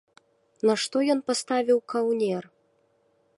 Нашто ён паставіў каўнер?